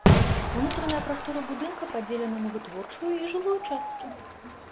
Унутраная прастора будынка падзелена на вытворчую і жылую часткі.